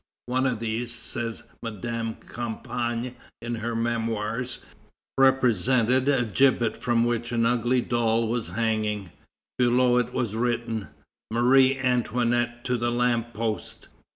"One of these," says Madame Campan in her Memoirs, "represented a gibbet from which an ugly doll was hanging; below it was written: 'Marie Antoinette to the lamp post!'